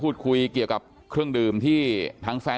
อยู่ดีมาตายแบบเปลือยคาห้องน้ำได้ยังไง